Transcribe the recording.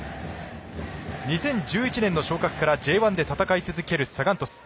２０１１年の昇格でＪ１で戦い続けるサガン鳥栖。